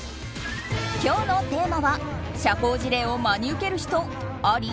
今日のチームは社交辞令を真に受ける人あり？